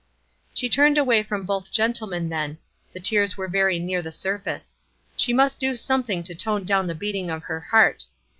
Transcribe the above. She turned away from both gentlemen then; the tears were very near the surface. She must do something to tone down the beating of her heart.